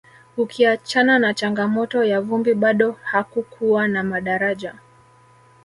ukiachana na changamoto ya vumbi bado hakukuwa na madaraja